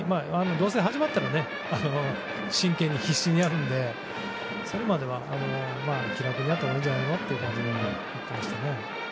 どうせ始まったら真剣に、必死にやるのでそれまでは気楽にやってもいいんじゃないのという感じで言ってましたね。